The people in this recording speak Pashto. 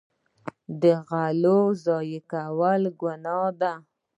د غلو ضایع کول ګناه ده.